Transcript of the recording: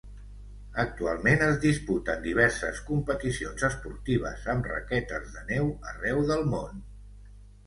Anualment es disputen diverses competicions esportives amb raquetes de neu arreu del món.